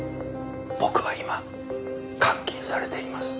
僕は今監禁されています。